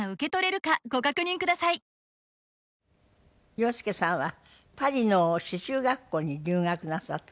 洋輔さんはパリの刺繍学校に留学なさった。